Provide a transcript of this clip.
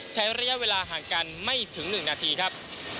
ใช้ระยะเวลาห่างกันไม่ถึง๑นาทีครับ